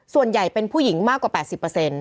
ส่วนใหญ่เป็นผู้หญิงมากกว่า๘๐